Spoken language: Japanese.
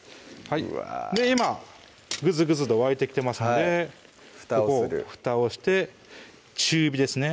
今グツグツと沸いてきてますのでふたをするふたをして中火ですね